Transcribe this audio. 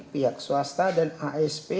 pihak swasta dan asp